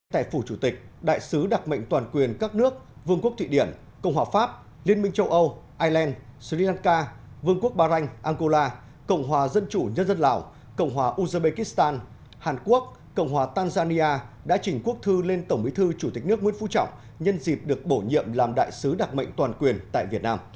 tại phủ chủ tịch đại sứ đặc mệnh toàn quyền các nước vương quốc thụy điển cộng hòa pháp liên minh châu âu ireland sri lanka vương quốc bà ranh angola cộng hòa dân chủ nhân dân lào cộng hòa uzbekistan hàn quốc cộng hòa tanzania đã trình quốc thư lên tổng bí thư chủ tịch nước nguyễn phú trọng nhân dịp được bổ nhiệm làm đại sứ đặc mệnh toàn quyền tại việt nam